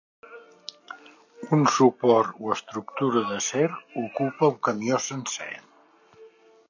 Un suport o estructura d'acer ocupa un camió sencer.